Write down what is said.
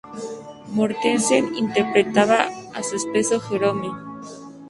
Mortensen interpretaba a su esposo, Jerome.